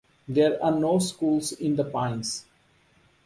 There are no schools in The Pines.